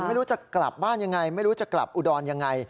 ไม่รู้จะกลับบ้านยังไง